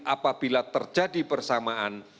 apabila terjadi persamaan